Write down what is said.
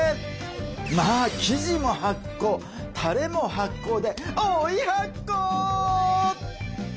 生地も発酵たれも発酵で追い発酵！